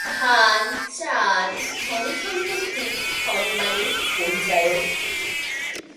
ধান-চাল ধন-সম্পত্তি সম্মানের পরিচায়ক।